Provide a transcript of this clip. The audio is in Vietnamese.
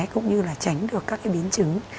cũng như là tránh được các cái biến chứng